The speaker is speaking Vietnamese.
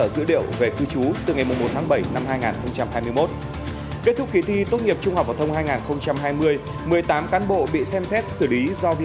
xin chào và hẹn gặp lại